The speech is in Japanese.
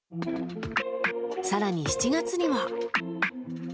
更に７月には。